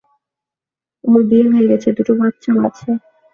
ওর বিয়ে হয়ে গেছে, দুটো বাচ্চাও আছে।